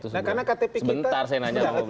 sebentar saya nanya